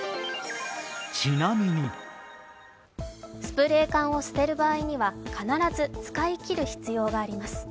スプレー缶を捨てる場合には必ず使いきる必要があります。